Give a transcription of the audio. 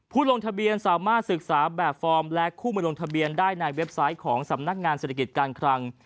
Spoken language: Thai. ลงทะเบียนสามารถศึกษาแบบฟอร์มและคู่มาลงทะเบียนได้ในเว็บไซต์ของสำนักงานเศรษฐกิจการคลัง